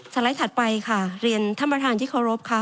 ไลด์ถัดไปค่ะเรียนท่านประธานที่เคารพค่ะ